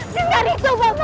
tidak rizal pak man